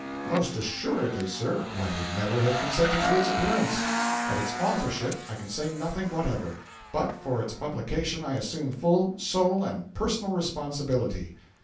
"Most assuredly, sir, or I would never have consented to its appearance. Of its authorship I can say nothing whatever, but for its publication I assume full, sole and personal responsibility."